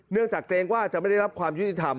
จากเกรงว่าจะไม่ได้รับความยุติธรรม